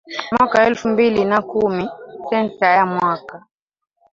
Mwaka elfu mbili na kumi Sensa ya mwaka